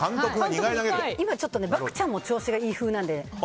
今ちょっと漠ちゃんの調子がいい風なので。